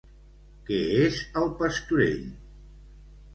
Què és el pastorell?